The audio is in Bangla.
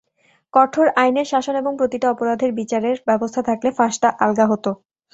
কঠোর আইনের শাসন এবং প্রতিটি অপরাধের বিচারের ব্যবস্থা থাকলে ফাঁসটা আলগা হতো।